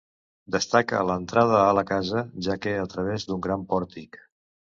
Destaca l'entrada a la casa, ja que a través d'un gran pòrtic.